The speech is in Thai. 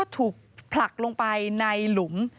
ถูกผลักลงไปในหลุม